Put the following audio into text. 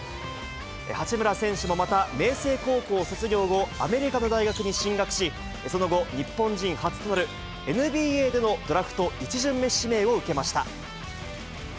八村選手も、また明成高校卒業後、アメリカの大学に進学し、その後、日本人初となるＮＢＡでのドラフト１巡目指名を受けました。